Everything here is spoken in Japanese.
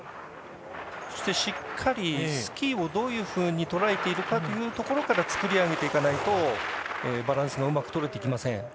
そして、しっかりスキーをどういうふうにとらえているかというところから作り上げていかないとバランスがうまく取れません。